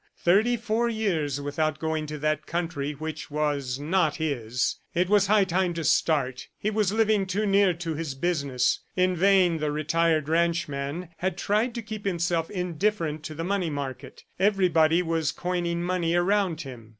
Thirty four years without going to that country which was not his! ... It was high time to start! He was living too near to his business. In vain the retired ranchman had tried to keep himself indifferent to the money market. Everybody was coining money around him.